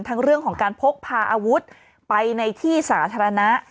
เรื่องของการพกพาอาวุธไปในที่สาธารณะ